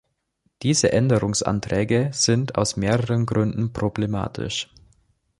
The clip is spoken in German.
Diese Änderungsanträge sind aus mehreren Gründen problematisch.